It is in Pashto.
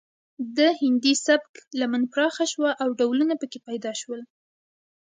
د هندي سبک لمن پراخه شوه او ډولونه پکې پیدا شول